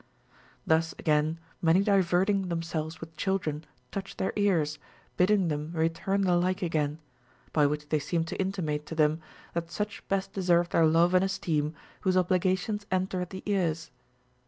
Thus again many diverting themselves with children touch their ears, bidding them return the like again ; by which they seem to intimate to them that such best deserve their love and esteem whose obligations enter at the ears.